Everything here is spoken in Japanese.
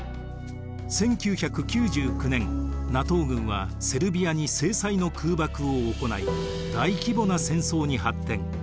１９９９年ＮＡＴＯ軍はセルビアに制裁の空爆を行い大規模な戦争に発展。